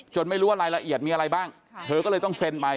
ไม่รู้ว่ารายละเอียดมีอะไรบ้างเธอก็เลยต้องเซ็นไป